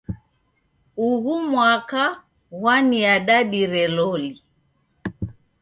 Ughu mwaka gwaniadadire loli.